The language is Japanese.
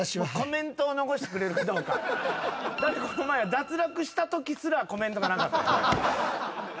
だってこの前は脱落したときすらコメントがなかった。